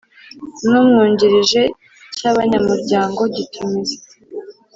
n Umwungirije cy Abanyamuryango gitumiza